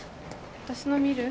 私の見る？